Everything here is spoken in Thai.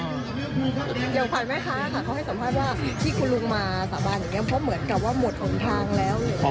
ยอมภัยไหมคะเขาให้สัมภาษณ์ว่าที่คุณลุงมาสะบานอย่างนี้เพราะเหมือนกับว่าหมดออกทางแล้ว